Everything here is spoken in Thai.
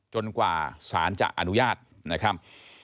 กว่าสารจะอนุญาตนะครับ